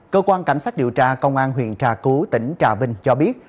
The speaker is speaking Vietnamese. cơ quan cảnh sát điều tra công an huyện trà cú tỉnh trà vinh cho biết